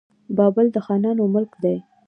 بابل د خانانو ملک دی.